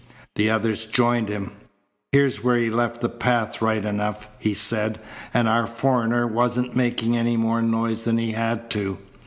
The others joined him. "Here's where he left the path right enough," he said. "And our foreigner wasn't making any more noise than he had to."